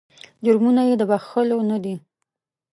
جرمونه یې د بخښلو نه دي.